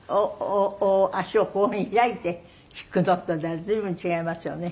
足をこういうふうに開いて弾くのとでは随分違いますよね。